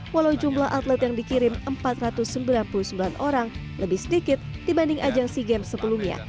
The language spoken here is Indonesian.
walau jumlah atlet yang dikirim empat ratus sembilan puluh sembilan orang lebih sedikit dibanding ajang sea games sebelumnya